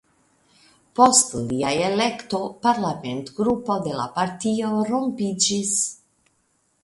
Post lia elekto parlamentgrupo de la partio rompiĝis.